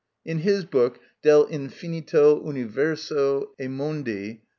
In his book, "Del Infinito Universo e Mondi" (p.